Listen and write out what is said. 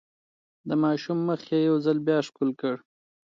د ماشوم مخ يې يو ځل بيا ښکل کړ.